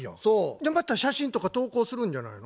じゃあまた写真とか投稿するんじゃないの？